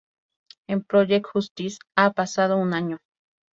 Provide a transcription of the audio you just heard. En Project Justice ha pasado un año.